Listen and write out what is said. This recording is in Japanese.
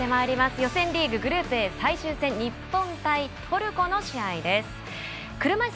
予選リーググループＡ最終戦日本対トルコの試合です。